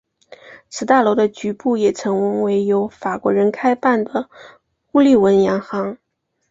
此大楼的局部也曾为由法国人开办的乌利文洋行。